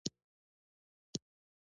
ایا زه باید قروت وخورم؟